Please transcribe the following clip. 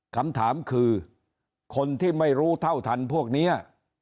คำถามคือคนที่ไม่รู้เท่าทันพวกนี้